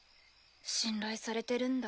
信頼されてるんだ。